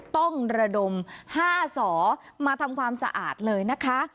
ต้องระดม๕สอมาทำความสะอาดเลยนะคะ